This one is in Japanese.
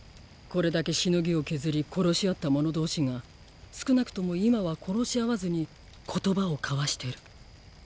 これだけ鎬を削り殺し合った者同士が少なくとも今は殺し合わずに言葉を交わしてる。